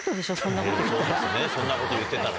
そんなこと言ったら。